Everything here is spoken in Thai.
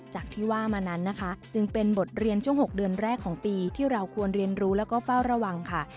จากที่ว่ามานั้นนะคะจึงเป็นบทเรียนช่วง๖เดือนแรกของปีที่เราควรเรียนรู้แล้วก็เฝ้าระวังค่ะ